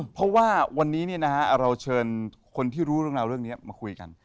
เพราะว่าวันนี้เราเชิญคนที่รู้เรื่องราวเรื่องนี้มาคุยกัน